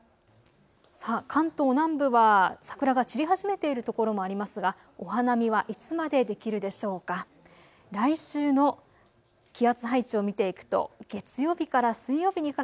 関東南部は桜が散り始めている所もありますがお花見はいつまでできるでしょうか。